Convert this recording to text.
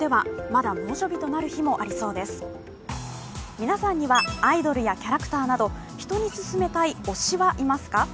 皆さんには、アイドルやキャラクターなど、人に勧めたい推しはいますか？